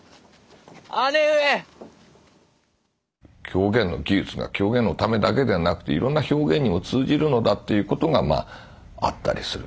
狂言の技術が狂言のためではなくていろんな表現にも通じるのだということがあったりする。